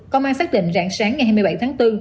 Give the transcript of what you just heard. công an xác định rạng sáng ngày hai mươi bảy tháng bốn